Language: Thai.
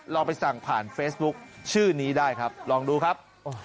ลองไปสั่งผ่านเฟซบุ๊คชื่อนี้ได้ครับลองดูครับ